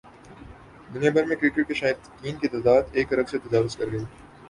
دنیا بھر میں کرکٹ شائقین کی تعداد ایک ارب سے تجاوز کر گئی